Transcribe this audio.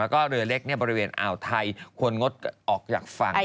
แล้วก็เรือเล็กบริเวณอ่าวไทยควรงดออกจากฝั่ง